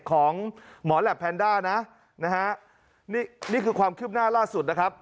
ของหมอแหลปแพนด้านะฮะนี่คือความคิดขึ้นหน้าล่าสุดนะครับ